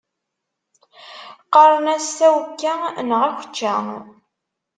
Qqaren-as tawekka neɣ akečča.